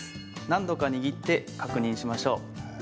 何度か握って確認しましょう。